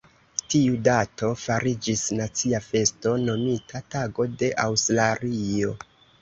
Tiu dato fariĝis nacia festo nomita Tago de Aŭstralio.